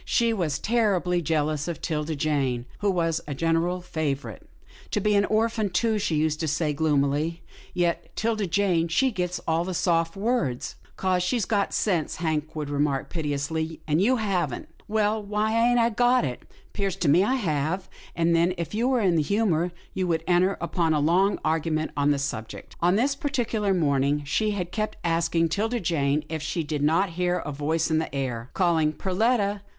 She was terribly jealous of 'Tilda Jane who was a general favourite. I be an orphan, too," she used to say, gloomily, " yet 'Tilda Jane, she gits all the soft words." " 'Cause she's got sense," Hank would remark pitilessly, " and you haven't." " Well, why ain't I got it? 'Pears to me I have," and then, if he were in the humour, they would enter upon a long argument on the subject. On this particular morning, she had kept asking 'Tilda Jane if she did not hear a voice in the air, calling, "Perletta!